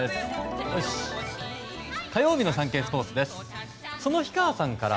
火曜日のサンケイスポーツです。